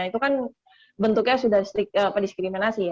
itu kan bentuknya sudah diskriminasi ya